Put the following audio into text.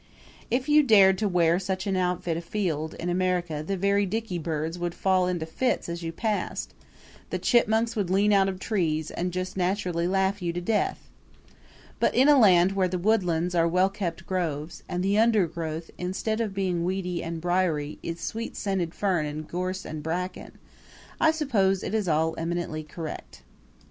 If you dared to wear such an outfit afield in America the very dickeybirds would fall into fits as you passed the chipmunks would lean out of the trees and just naturally laugh you to death! But in a land where the woodlands are well kept groves, and the undergrowth, instead of being weedy and briery, is sweet scented fern and gorse and bracken, I suppose it is all eminently correct.